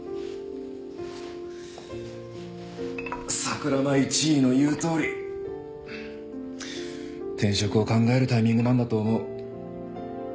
桜間１尉の言うとおり転職を考えるタイミングなんだと思う。